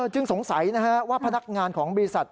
คือสงสัยนะครับว่าพนักงานของบริษัท